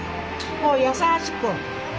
こう優しく。